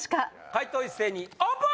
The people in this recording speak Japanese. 解答一斉にオープン！